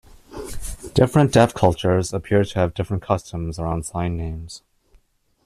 Different deaf cultures appear to have different customs around sign names.